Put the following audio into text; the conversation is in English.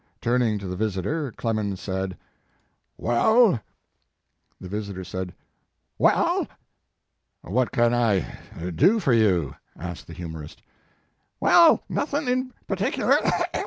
Turning to the visitor, Clemens said: "Well . 11 82 Mark Twain The visitor said "Well." "What can I do for you?" asked the humorist. "Well, nothin in particular.